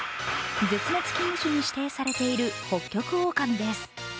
絶滅危惧種に指定されているホッキョクオオカミです。